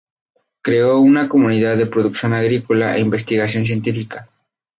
Creó una comunidad de producción agrícola e investigación científica.